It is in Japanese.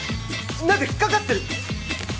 なんか引っ掛かってる！